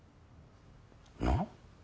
なっ？